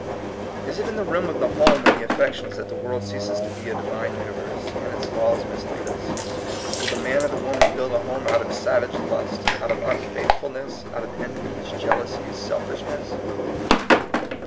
Is it in the realm of the home and the affections that the world ceases to be a Divine universe, and its laws mislead us? Will the man or the woman build a home out of savage lusts, out of unfaithfulness, out of envies, jealousies, selfishness?